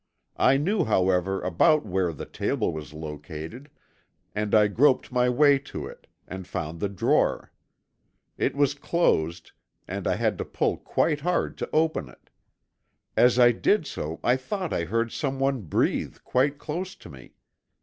I knew however about where the table was located and I groped my way to it, and found the drawer. It was closed and I had to pull quite hard to open it. As I did so I thought I heard someone breathe quite close to me.